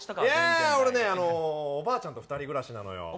いや、俺ね、おばあちゃんと２人暮らしなのよ。